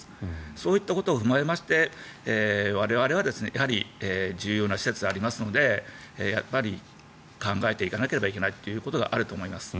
そういったことを踏まえまして我々は重要な施設でありますのでやっぱり考えていかなければいけないというところがあると思います。